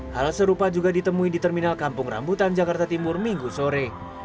hal serupa juga ditemui di terminal kampung rambutan jakarta timur minggu sore